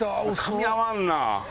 かみ合わんな。